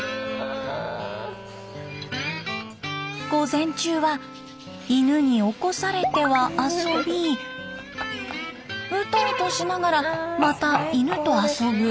午前中は犬に起こされては遊びうとうとしながらまた犬と遊ぶを繰り返します。